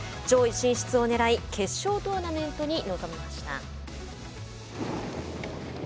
上位進出をねらい決勝トーナメントに臨みました。